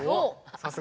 さすが！